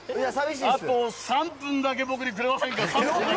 あと３分だけ僕にくれませんか。